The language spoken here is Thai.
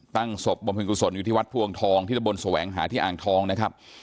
ตั้งศพบำเพ็ญกุศลอยู่ที่วัดพวงทองที่ตะบนแสวงหาที่อ่างทองนะครับ